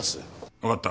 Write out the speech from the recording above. わかった。